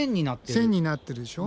線になってるでしょ。